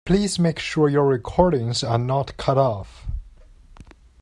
Please make sure your recordings are not cut off.